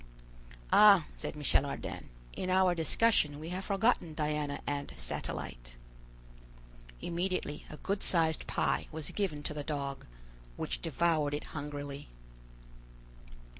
"Ah!" said Michel Ardan, "in our discussion we have forgotten Diana and Satellite." Immediately a good sized pie was given to the dog, which devoured it hungrily.